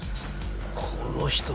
この人。